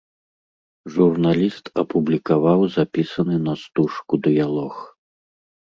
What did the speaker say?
Журналіст апублікаваў запісаны на стужку дыялог.